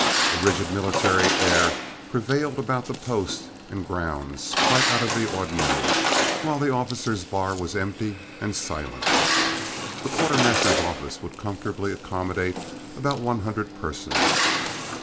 A rigid military air prevailed about the post and grounds, quite out of the ordinary, while the officers' bar was empty and silent. The quartermaster's office would comfortably accommodate about one hundred persons.